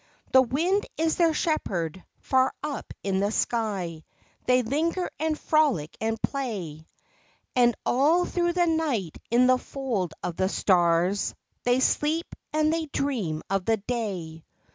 The wind is their shepherd; far up in the sky They linger and frolic and play; And all through the night in the fold of the stars They sleep and they dream of the day.